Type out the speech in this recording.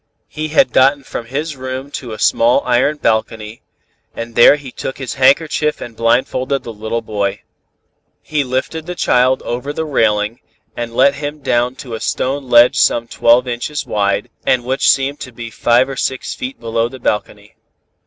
"He had gotten from his room to a small iron balcony, and there he took his handkerchief and blindfolded the little boy. He lifted the child over the railing, and let him down to a stone ledge some twelve inches wide, and which seemed to be five or six feet below the balcony.